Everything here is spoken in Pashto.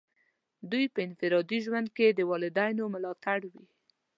دوی په انفرادي ژوند کې د والدینو ملاتړ وي.